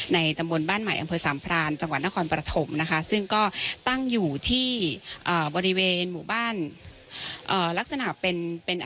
ในตับมนต์บ้านใหม่อำเภอซามพรานจังหวัญน